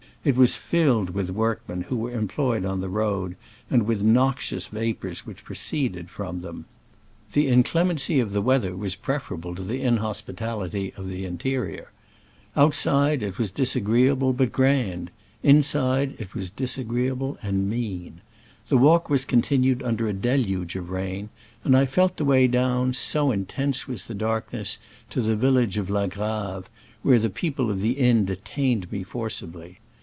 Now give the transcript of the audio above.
It was filled with work men who were employed on the road, and with noxious vapors which proceed ed from them. The inclemency of the Digitized by Google i6 SCRAMBLES AMONGST THE ALPS IN i86o '69. weather was preferable to the inhospi tality of the interior. Outside, it was disagreeable, but grand — inside, it was disagreeable and mean. The walk was continued under a deluge of rain, and I felt the way down, so intense was the darkness, to the village of La Grave, where the people of the inn detained me forcibly.